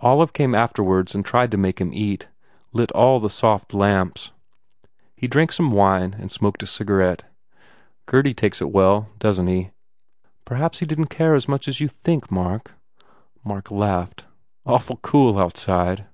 Olive came afterwards and tried to make him eat, lit all the soft lamps. He drank some wine and smoked a cigarette. "Gurdy takes it well, doesn t he?" "Perhaps he didn t care as much as you think, Mark." Mark laughed, "Awful cool outside.